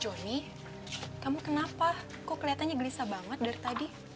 johnny kamu kenapa kok kelihatannya gelisah banget dari tadi